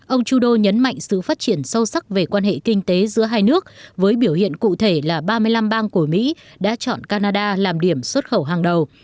ông trudeau nhấn mạnh sự phát triển sâu sắc về quan hệ kinh tế giữa hai nước với biểu hiện cụ thể là ba mươi năm bang của mỹ đã chọn canada làm điểm xuất khẩu hàng đầu